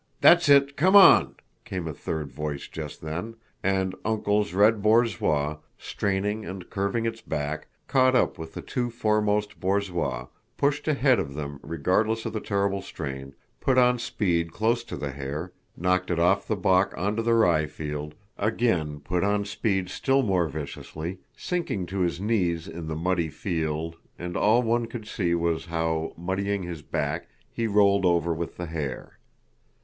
That's it, come on!" came a third voice just then, and "Uncle's" red borzoi, straining and curving its back, caught up with the two foremost borzois, pushed ahead of them regardless of the terrible strain, put on speed close to the hare, knocked it off the balk onto the ryefield, again put on speed still more viciously, sinking to his knees in the muddy field, and all one could see was how, muddying his back, he rolled over with the hare.